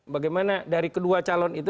bagaimana dari kedua calon itu